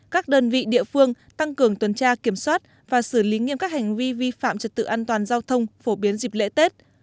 các đơn vị địa phương tăng cường tuần tra kiểm soát và xử lý nghiêm các hành vi vi phạm trật tự an toàn giao thông phổ biến dịp lễ tết